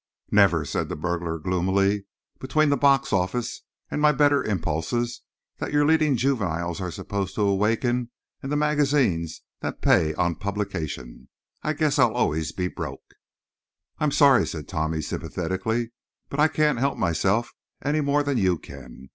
"Never!" said the burglar, gloomily. "Between the box office and my better impulses that your leading juveniles are supposed to awaken and the magazines that pay on publication, I guess I'll always be broke." "I'm sorry," said Tommy, sympathetically. "But I can't help myself any more than you can.